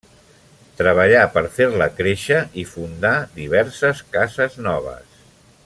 Treballà per fer-la créixer i fundà diverses cases noves.